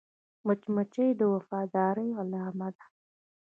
مچمچۍ د وفادارۍ علامه ده